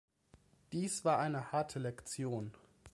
Dies war eine harte Lektion.